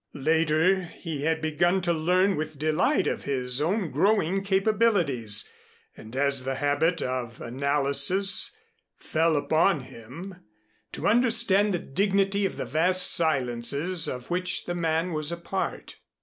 Later he had begun to learn with delight of his own growing capabilities, and as the habit of analysis fell upon him, to understand the dignity of the vast silences of which the man was a part.